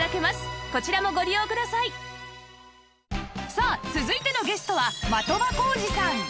さあ続いてのゲストは的場浩司さん